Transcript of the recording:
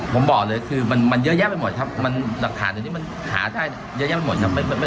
ผมบอกเลยคือมันเยอะแยะไปหมดครับมันหลักฐานเดี๋ยวนี้มันหาได้เยอะแยะไปหมดครับ